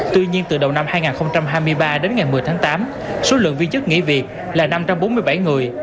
tuy nhiên từ đầu năm hai nghìn hai mươi ba đến ngày một mươi tháng tám số lượng viên chức nghỉ việc là năm trăm bốn mươi bảy người